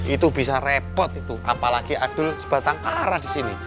itu bisa repot apalagi adul sebatang karat di sini